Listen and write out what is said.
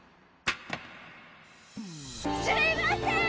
すいませーん！